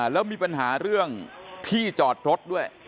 แล้วมีปัญหาเรื่องที่จอดรถด้วย